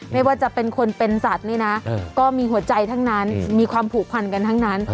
ไม่ว่าจะเป็นคนเป็นสัตว์นี่นะก็มีหัวใจทั้งนั้นมีความผูกพันกันทั้งนั้น